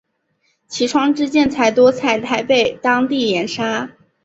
其窗之建材多采台北当地砂岩。